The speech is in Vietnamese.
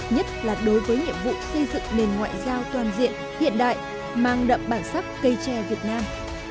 nhất là đối với nhiệm vụ xây dựng nền ngoại giao toàn diện hiện đại mang đậm bản sắc cây tre việt nam